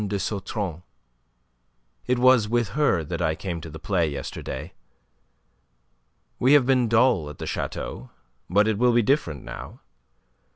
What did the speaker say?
de Sautron. It was with her that I came to the play yesterday. We have been dull at the chateau; but it will be different now.